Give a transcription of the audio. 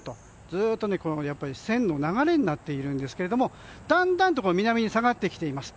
ずっと線の流れになっているんですがだんだんと南に下がってきています。